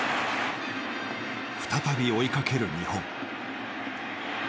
再び追いかける日本。